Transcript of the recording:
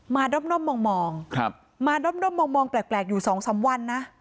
มาด้อมมองแปลกอยู่๒สำวัญ